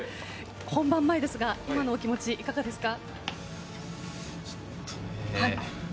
本番前ですが今のお気持ち、いかがですか？